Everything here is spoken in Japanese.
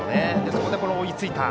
そこで追いついた。